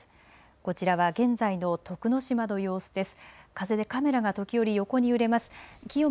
こちらは現在の徳之島の様子です。